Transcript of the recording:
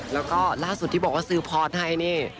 แล้วก็ล่าสุดที่บอกว่าซื้อพอร์ตให้นี่